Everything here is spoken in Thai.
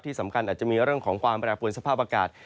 ที่สำคัญอาจจะมีเรื่องของความปรากฏภูมิสภาพอากาศ